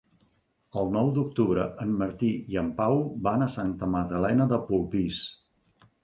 El nou d'octubre en Martí i en Pau van a Santa Magdalena de Polpís.